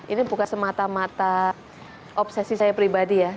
ini bukan semata mata obsesi saya pribadi ya